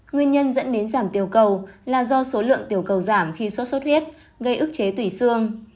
nguyên nhân dẫn đến giảm tiêu cầu là do số lượng tiểu cầu giảm khi sốt xuất huyết gây ức chế thủy xương